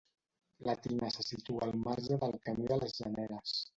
La tina se situa al marge del camí de les Generes.